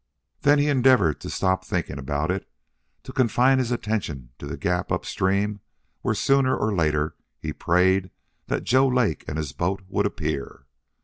Then he endeavored to stop thinking about it, to confine his attention to the gap up stream where sooner or later he prayed that Joe Lake and his boat would appear.